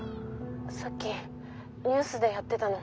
さっきニュースでやってたの。